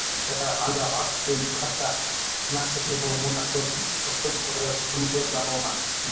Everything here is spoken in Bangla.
তারা Alaa Abd El Fattah, Sanaa Seif এবং মোনা সেফ সক্রিয় কর্মীদের বাবা-মা।